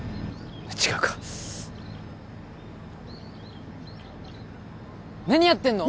違うか何やってんの？